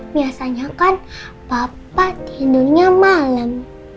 biasanya kan papa tidurnya malem